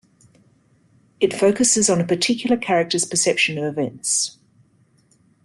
It focuses on a particular character's perception of events.